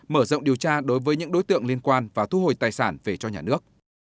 mở rộng điều tra đối với những đối tượng liên quan và thu hồi tài sản về cho nhà nước